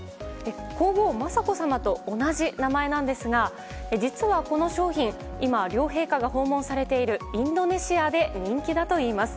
皇后・雅子さまと同じ名前なんですが実は、この商品今、両陛下が訪問されているインドネシアで人気だといいます。